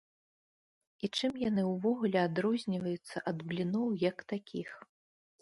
І чым яны ўвогуле адрозніваюцца ад бліноў як такіх?